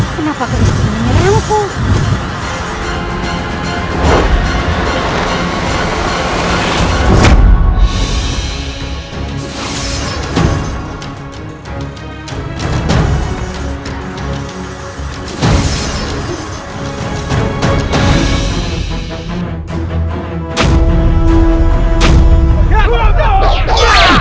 kenapa kalian lagi menyerang aku